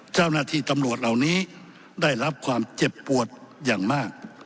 เจ้าหน้าที่ตำรวจเหล่านี้ได้รับความเจ็บปวดอย่างมาก